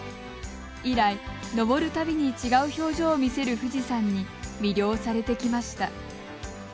以来、登るたびに違う表情を見せる富士山に魅了されてきました。